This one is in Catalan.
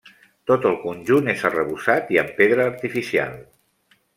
Tot el conjunt és arrebossat i amb pedra artificial.